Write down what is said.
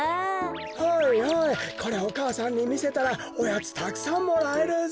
はいはいこりゃお母さんにみせたらおやつたくさんもらえるぞ。